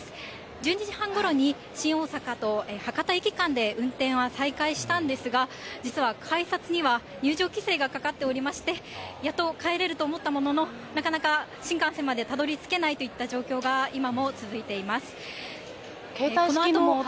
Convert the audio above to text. １２時半ごろに、新大阪と博多駅間で運転は再開したんですが、実は改札には入場規制がかかっておりまして、やっと帰れると思ったものの、なかなか新幹線までたどりつけないといった状況が今も続いています。